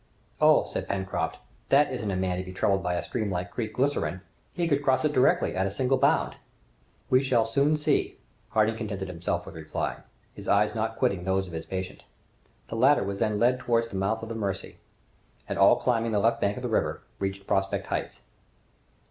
"Oh!" said Pencroft, "that isn't a man to be troubled by a stream like Creek Glycerine! He could cross it directly, at a single bound!" "We shall soon see," Harding contented himself with replying, his eyes not quitting those of his patient. The latter was then led towards the mouth of the Mercy, and all climbing the left bank of the river, reached Prospect Heights.